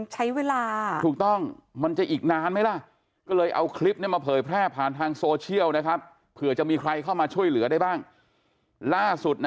ใช่ใช้กระบวนการใช้เวลา